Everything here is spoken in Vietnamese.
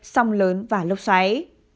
sông lớn và lốc xoáy